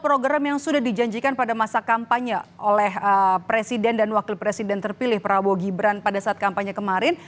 program yang sudah dijanjikan pada masa kampanye oleh presiden dan wakil presiden terpilih prabowo gibran pada saat kampanye kemarin